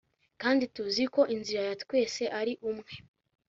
kandi tuzi ko inzira ya twese ari imwe